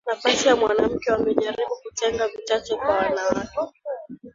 nafasi ya mwanamke wamejaribu kutenga vichache kwa wanawake